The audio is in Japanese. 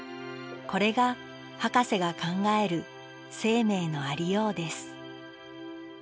これがハカセが考える生命のありようです